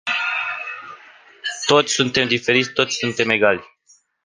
Toți suntem diferiți, toți suntem egali.